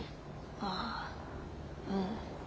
ああうん。